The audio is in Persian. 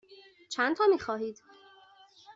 چندتا می خواهید؟